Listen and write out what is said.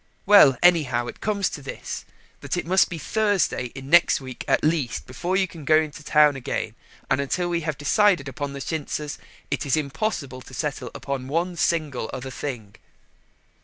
Well, anyhow it comes to this, that it must be Thursday in next week at least, before you can go to town again, and until we have decided upon the chintzes it is impossible to settle upon one single other thing."